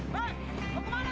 mau kemana lo